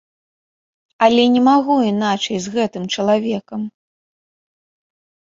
Але не магу іначай з гэтым чалавекам.